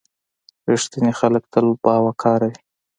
• رښتیني خلک تل باوقاره وي.